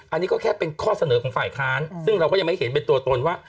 อันนี้ก็แค่เป็นข้อเสนอของฝ่ายค้านซึ่งเราก็ยังไม่เห็นเป็นตัวตนว่า